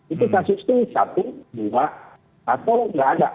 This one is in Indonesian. itu kasus itu satu dua atau tidak ada